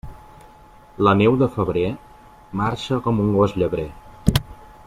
La neu de febrer marxa com un gos llebrer.